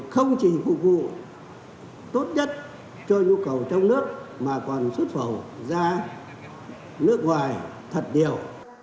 không chỉ phục vụ tốt nhất cho nhu cầu trong nước mà còn xuất khẩu ra nước ngoài thật đều